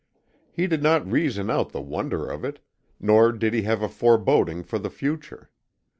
He did not reason out the wonder of it, nor did he have a foreboding for the future.